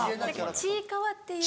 ちいかわっていう。